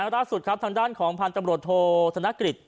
ล่าสุดครับทางด้านของพันธุ์ตำรวจโทษธนกฤษ